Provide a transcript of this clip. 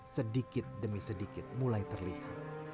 sedikit demi sedikit mulai terlihat